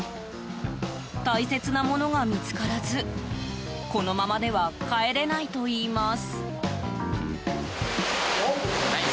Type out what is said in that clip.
大切なものが見つからずこのままでは帰れないといいます。